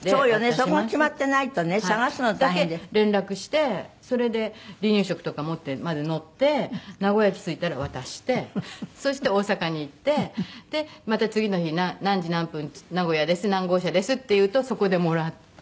そこが決まってないとね探すの大変で。だけ連絡してそれで離乳食とか持ってまず乗って名古屋駅着いたら渡してそして大阪に行ってでまた次の日何時何分名古屋です何号車ですって言うとそこでもらって。